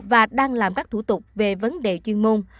và đang làm các thủ tục về vấn đề chuyên môn